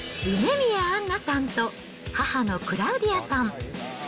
梅宮アンナさんと、母のクラウディアさん。